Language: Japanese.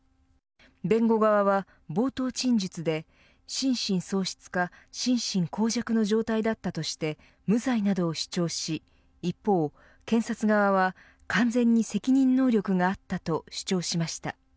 弁護側は冒頭陳述で心神喪失か心神耗弱の状態だったとして無罪などを主張し一方、検察側は完全に責任能力があったと主張しました。